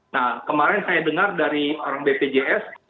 nah kemarin saya dengar dari orang bpjs